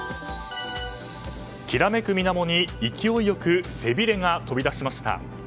きらめく水面に勢いよく背びれが飛び出しました。